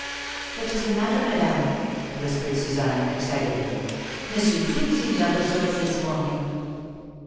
"What is the matter, madame?" whispered Suzanne, excitedly. "Monsieur, too, seems out of sorts this morning."